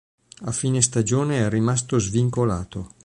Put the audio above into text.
A fine stagione è rimasto svincolato.